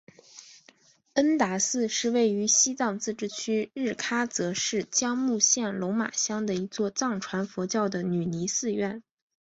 恩达寺是位于西藏自治区日喀则市江孜县龙马乡的一座藏传佛教的女尼寺院。